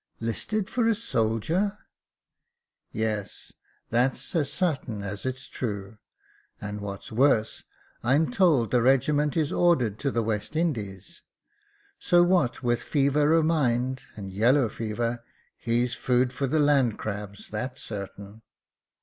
" Listed for a soldier !"Yes ; that's as sartain as it's true j and wliat's worse, I'm told the regiment is ordered to the West Indies. So, what with fever o' mind and yellow fever, he's food for the land crabs, that's sartain.